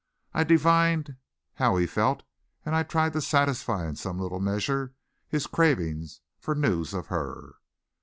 I divined how he felt and I tried to satisfy in some little measure his craving for news of her.